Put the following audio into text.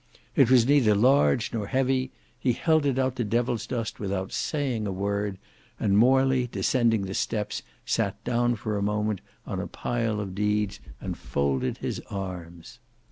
It was neither large nor heavy; he held it out to Devilsdust without saying a word, and Morley descending the steps sate down for a moment on a pile of deeds and folded his arms.